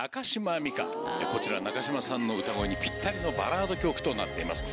こちら中島さんの歌声にピッタリのバラード曲となっています。